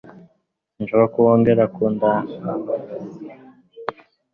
Sinshaka ko wongera gukandagira muri ako kabari.